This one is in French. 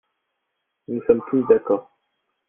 Nous sommes tous d’accord.